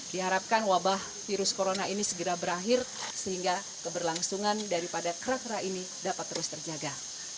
diharapkan wabah virus corona ini segera berakhir sehingga keberlangsungan daripada kera kera ini dapat terus terjaga